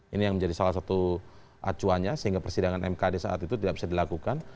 ini yang menjadi salah satu acuannya sehingga persidangan mkd saat itu tidak bisa dilakukan